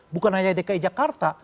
bukan hanya dki jakarta